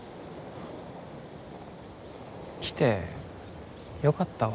来てよかったわ。